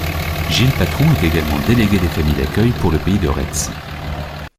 Gilles Patron est également délégué des familles d'accueil pour le pays de Retz.